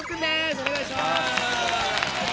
お願いします。